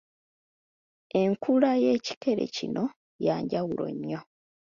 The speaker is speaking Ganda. Enkula y’ekikere kino ya njawulo nnyo.